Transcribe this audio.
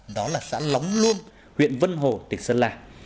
đó là xã lóng luông huyện vân hồ tỉnh sơn la